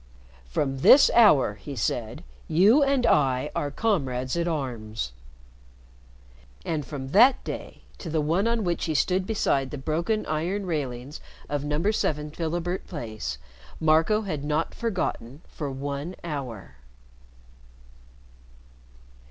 "From this hour," he said, "you and I are comrades at arms." And from that day to the one on which he stood beside the broken iron railings of No. 7 Philibert Place, Marco had not forgotten for one hour.